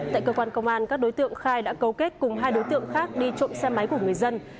tại cơ quan công an các đối tượng khai đã cấu kết cùng hai đối tượng khác đi trộm xe máy của người dân